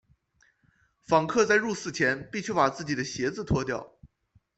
访客在入寺前必须把自己的鞋子脱掉。